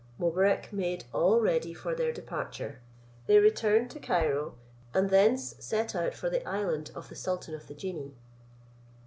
Mobarec made all ready for their departure; they returned to Cairo, and thence set out for the island of the sultan of the genii.